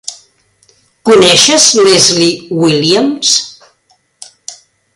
Coneixes Leslie Williams?